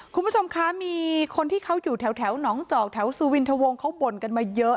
คุณผู้ชมคะมีคนที่เขาอยู่แถวหนองจอกแถวสุวินทวงเขาบ่นกันมาเยอะ